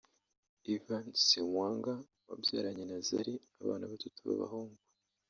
Ivan Ssemwanga wabyaranye na Zari abana batatu b’abahungu